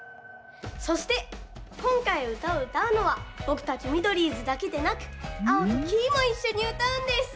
そしてこんかいうたをうたうのはぼくたちミドリーズだけでなくアオとキイもいっしょにうたうんです。